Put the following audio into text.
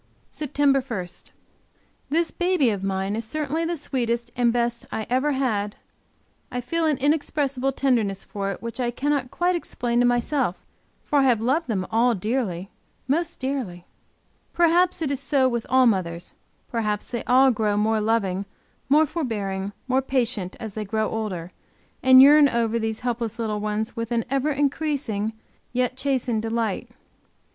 SEPTEMBER 1. This baby of mine, is certainly the sweetest and best I ever had I feel an inexpressible tenderness for it, which I cannot quite explain to myself, for I have loved them all dearly, most dearly. Perhaps it is so with all mothers, perhaps they all grow more loving, more forbearing, more patient as they grow older, and yearn over these helpless little ones with an ever increasing, yet chastened delight.